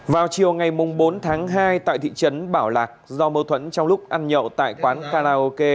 vào chiều ngày bốn tháng hai tại thị trấn bảo lạc do mâu thuẫn trong lúc ăn nhậu tại quán karaoke